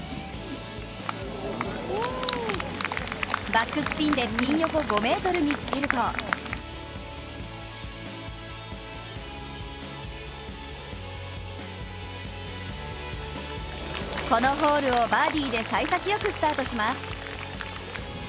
バックスピンで、ピン横５ｍにつけるとこのホールをバーディーでさい先よくスタートします。